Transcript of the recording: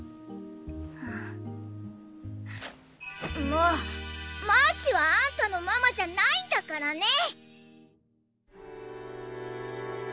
もうマーチはあんたのママじゃないんだからね。